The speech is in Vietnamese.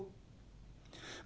nghệ thuật dùng người